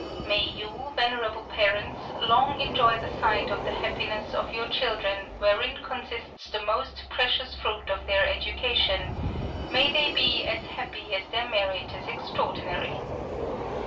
May you, venerable parents, long enjoy the sight of the happiness of your children wherein consists the most precious fruit of their education; may they be as happy as their merit is extraordinary!